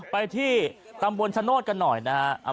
ไปที่ตำบลชะโนธกันหน่อยนะครับ